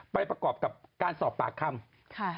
ไปประกอบกับการสอบปากคำ